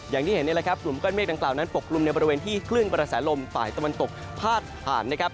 อย่างที่เห็นนี่แหละครับกลุ่มก้อนเมฆดังกล่าวนั้นปกลุ่มในบริเวณที่คลื่นกระแสลมฝ่ายตะวันตกพาดผ่านนะครับ